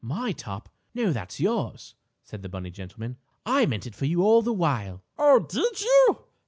"My top? No that's yours," said the bunny gentleman. "I meant it for you all the while." "Oh, did you?